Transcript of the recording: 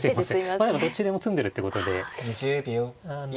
まあでもどっちでも詰んでるってことであの。